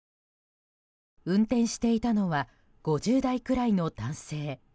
運転していたのは５０代くらいの男性。